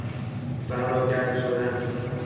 صحراگرد شدن